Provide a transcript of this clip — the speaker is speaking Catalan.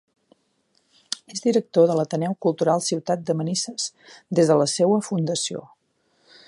És Director de l'Ateneu Cultural Ciutat de Manises des de la seua fundació.